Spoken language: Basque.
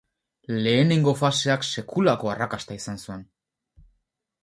Lehenengo faseak sekulako arrakasta izan zuen.